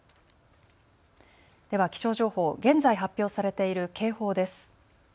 では気象情報、現在、発表されている警報です。